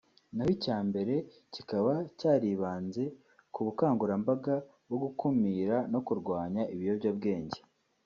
naho icya mbere kikaba cyaribanze ku bukangurambaga bwo gukumira no kurwanya ibiyobyabwenge